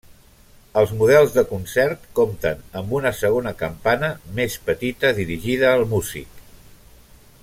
Els models de concert compten amb una segona campana més petita dirigida al músic.